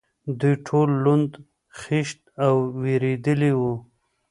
دوی ټول لوند، خېشت او وېرېدلي و.